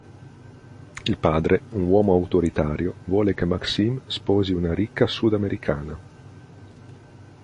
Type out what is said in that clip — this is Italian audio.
Il padre, un uomo autoritario, vuole che Maxime sposi una ricca sudamericana.